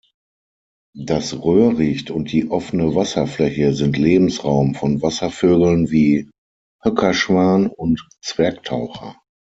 Das Röhricht und die offene Wasserfläche sind Lebensraum von Wasservögeln wie Höckerschwan und Zwergtaucher.